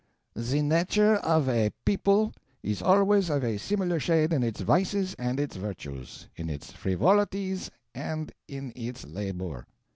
"'The nature of a people' is always of a similar shade in its vices and its virtues, in its frivolities and in its labor.